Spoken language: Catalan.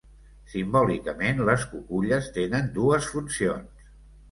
Simbòlicament, les cuculles tenen dues funcions.